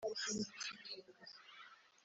mbona ntihageze indagara